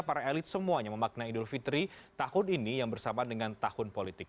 para elit semuanya memaknai idul fitri tahun ini yang bersamaan dengan tahun politik